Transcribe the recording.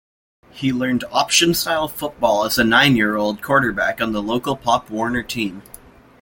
He learned option-style football as a nine-year-old quarterback on the local Pop Warner team.